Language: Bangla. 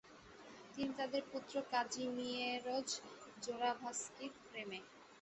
তিনি তাদের পুত্র কাজিমিয়েরজ জোরাভস্কির প্রেমে